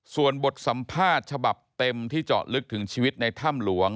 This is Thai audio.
ส่วนบทสัมภาษณ์ฉบับเต็มที่เจาะลึกถึงชีวิตในถ้ำหลวง